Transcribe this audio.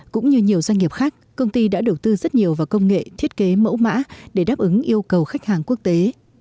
cũng như nhiều doanh nghiệp khác công ty đã đầu tư rất nhiều vào công nghệ thiết kế mẫu mã để đáp ứng yêu cầu khách hàng quốc tế